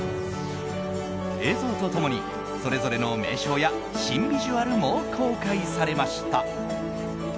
映像と共に、それぞれの名称や新ビジュアルも公開されました。